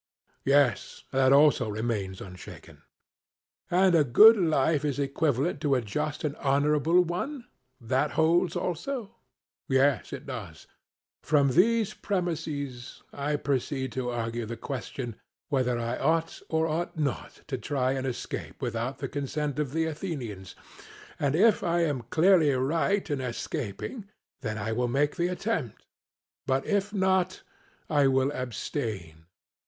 CRITO: Yes, that also remains unshaken. SOCRATES: And a good life is equivalent to a just and honorable one that holds also? CRITO: Yes, it does. SOCRATES: From these premisses I proceed to argue the question whether I ought or ought not to try and escape without the consent of the Athenians: and if I am clearly right in escaping, then I will make the attempt; but if not, I will abstain.